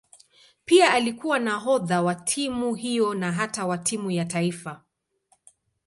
Pia alikuwa nahodha wa timu hiyo na hata wa timu ya taifa.